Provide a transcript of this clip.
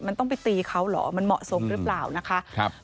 มันต้องไปตีเขาเหรอมันเหมาะสมหรือเปล่านะคะ